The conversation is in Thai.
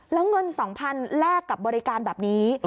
แล้วเงิน๒๐๐๐แลกกับบริการแบบนี้